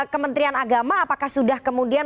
kementerian agama apakah sudah kemudian